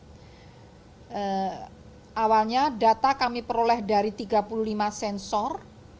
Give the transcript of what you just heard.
jadi awalnya data kami peroleh dari tiga puluh lima sensor